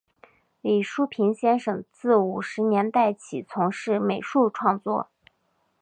李叔平先生自五十年代起从事美术创作。